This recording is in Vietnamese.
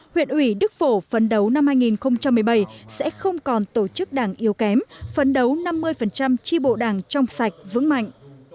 huyện ủy đức phổ phấn đấu năm hai nghìn một mươi bảy sẽ không còn tổ chức đảng yếu kém phấn đấu năm mươi tri bộ đảng trong sạch vững mạnh